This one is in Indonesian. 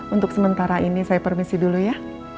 untuk sementara ini saya permisi dulu ya